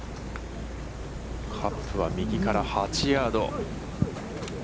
カップは右から８ヤード。